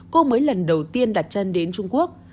cô mới lần đầu tiên đặt chân đến trung quốc